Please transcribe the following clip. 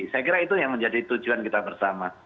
saya kira itu yang menjadi tujuan kita bersama